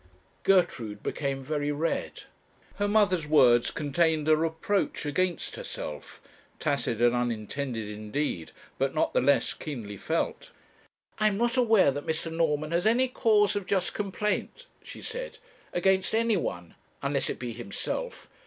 Gertrude became very red. Her mother's words contained a reproach against herself, tacit and unintended indeed, but not the less keenly felt. 'I am not aware that Mr. Norman has any cause of just complaint,' she said, 'against any one, unless it be himself.